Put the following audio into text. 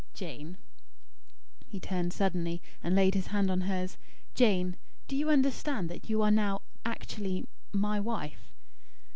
Jane" he turned suddenly, and laid his hand on hers "Jane! Do you understand that you are now actually my wife?"